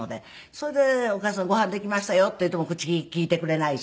それで「お義母さんご飯できましたよ」って言っても口利いてくれないし。